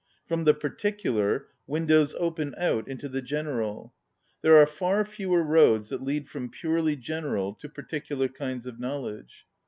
From the particular, windows open out into the general. There are far fewer roads that lead from purely general to particular kinds of knowl edge.